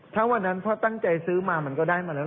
ถ้าวันนั้นพ่อตั้งใจซื้อมามันก็ได้มาแล้ว